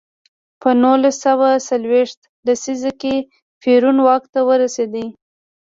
په نولس سوه څلویښت لسیزه کې پېرون واک ته ورسېد.